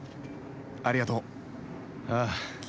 ありがとう。ああ。